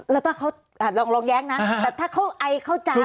แล้วถ้าเขาลองแยกนะแต่ถ้าเขาไอเขาจามแล้ว